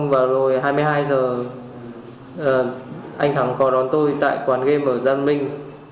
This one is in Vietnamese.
vào lúc hai mươi hai h anh thắng có đón tôi tại quán game ở giang minh